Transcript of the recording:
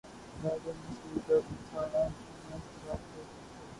لہجوں میں سیلِ درد تھا‘ آنکھوں میں اضطراب تھے